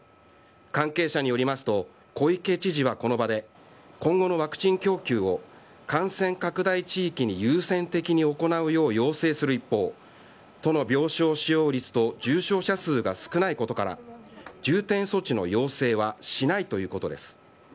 関係者によりますと小池知事はこの場で今後のワクチン供給を感染拡大地域に優先的に行うよう要請する一方都の病床使用率と重症者数が少ないことから重点措置の要請はしないということです。